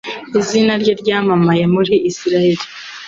izina rye ryamamaye muri Israheli